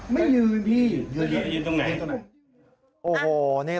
ไม่ยืนพี่